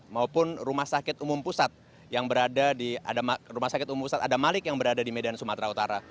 maupun rumah sakit umum pusat yang berada di rumah sakit umum pusat adamalik yang berada di medan sumatera utara